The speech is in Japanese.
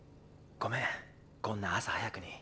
ごめんこんな朝早くに。